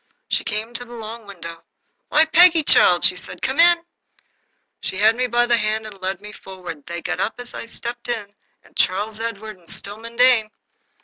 She came to the long window. "Why, Peggy, child," said she, "come in." She had me by the hand and led me forward. They got up as I stepped in, Charles Edward and Stillman Dane.